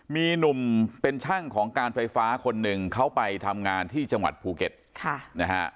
มีหนุ่มเป็นช่างของการไฟฟ้าคนหนึ่งเขาไปทำงานที่จังหวัดภูเก็ตนะฮะ